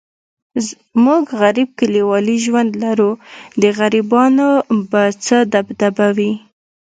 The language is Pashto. موږ غریب کلیوالي ژوند لرو، د غریبانو به څه دبدبه وي.